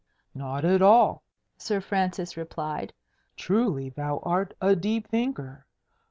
"Not at all," Sir Francis replied. "Truly thou art a deep thinker!